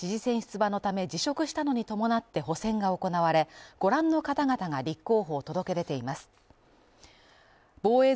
また、和歌山１区でも前の議員が、知事選出馬のため辞職したのに伴って補選が行われ、ご覧の方々が立候補を届け出ています。